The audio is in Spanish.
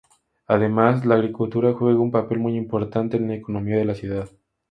Además la agricultura juega un papel muy importante en la economía de la ciudad.